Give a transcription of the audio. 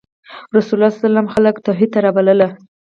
رسول الله ﷺ خلک توحید ته رابلل.